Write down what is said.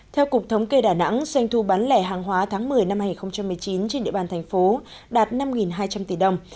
theo cục thống kê đà nẵng doanh thu bán lẻ hàng hóa tháng một mươi năm hai nghìn một mươi chín trên địa bàn thành phố đạt năm hai trăm linh tỷ đồng